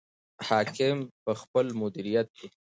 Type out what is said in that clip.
حاکم په خپل مدیریت کې.